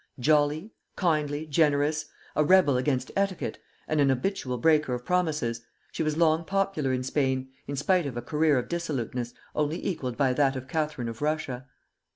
Jolly, kindly, generous, a rebel against etiquette, and an habitual breaker of promises, she was long popular in Spain, in spite of a career of dissoluteness only equalled by that of Catherine of Russia.